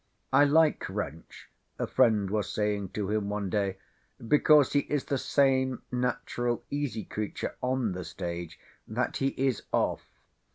—"I like Wrench," a friend was saying to him one day, "because he is the same natural, easy creature, on the stage, that he is off."